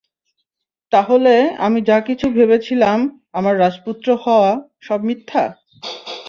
তাহলে আমি যা কিছু ভেবেছিলাম, আমার রাজপুত্র হওয়া, সব মিথ্যা।